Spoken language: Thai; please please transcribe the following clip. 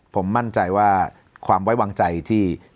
ผมมั่นใจว่าความไว้วางใจที่